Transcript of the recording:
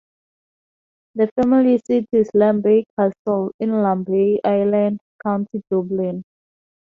The family seat is Lambay Castle, in Lambay Island, County Dublin.